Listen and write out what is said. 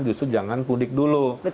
justru jangan mudik dulu